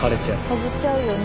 枯れちゃうよね。